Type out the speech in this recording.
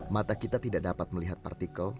mata kita tidak dapat melihat partikel